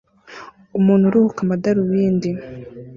Umuntu uruhuka amadarubindi